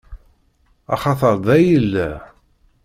Axaṭeṛ da i yella.